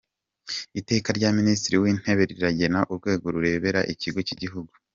Iteka rya Minisitiri w‟Intebe rigena urwego rureberera Ikigo cy‟Igihugu